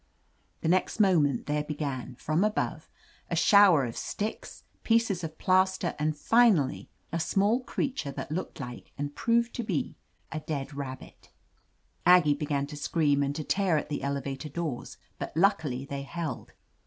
The next moment there began, from above, a shower of sticks, pieces of plaster, and finally, a small creature that looked like, and I>roved to be, a dead rabbit Aggie began to scream and to tear at the elevator doors, but luckily they held.